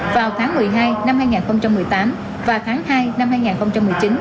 vào tháng một mươi hai năm hai nghìn một mươi tám và tháng hai năm hai nghìn một mươi chín